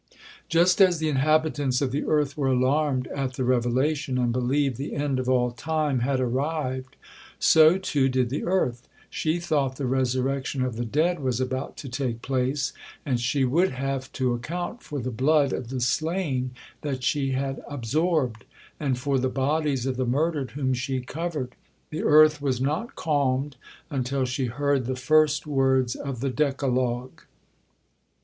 Just as the inhabitants of the earth were alarmed at the revelation, and believed the end of all time had arrived, so too did the earth. She thought the resurrection of the dead was about to take place, and she would have to account for the blood of the slain that she had absorbed, and for the bodies of the murdered whom she covered. The earth was not calmed until she heard the first words of the Decalogue.